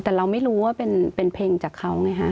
แต่เราไม่รู้ว่าเป็นเพลงจากเขาไงฮะ